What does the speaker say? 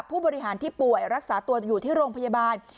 ผู้บริหารที่ป่วยรักษาตัวอยู่ที่โรงพยาบาล